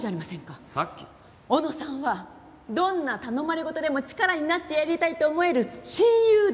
小野さんはどんな頼まれ事でも力になってやりたいと思える親友だって！